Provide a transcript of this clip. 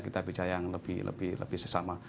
kita bicara yang lebih sesama